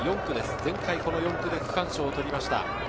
前回４区で区間賞をとりました。